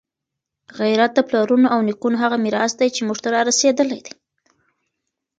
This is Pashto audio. غیرت د پلرونو او نیکونو هغه میراث دی چي موږ ته رارسېدلی دی.